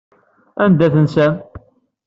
Anda tensam?